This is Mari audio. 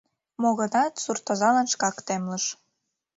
Мо-гынат, суртозалан шкак темлыш: